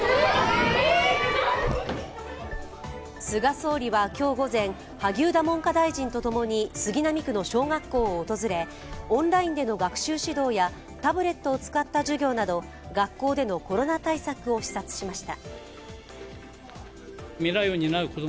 菅総理は今日午前、萩生田文科大臣と共に杉並区の小学校を訪れオンラインでの学習指導やタブレットを使った授業など学校でのコロナ対策を視察しました。